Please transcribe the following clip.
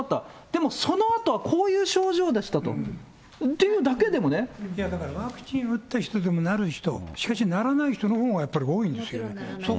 でもそのあとは、こういう症状でワクチン打った人でもなる人、しかしならない人のほうがやっぱり多いんですよ。